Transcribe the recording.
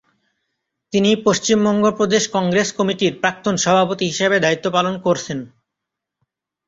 তিনি পশ্চিমবঙ্গ প্রদেশ কংগ্রেস কমিটির প্রাক্তন সভাপতি হিসাবে দায়িত্ব পালন করছেন।